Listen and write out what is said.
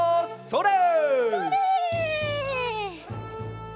それ！